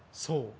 そう。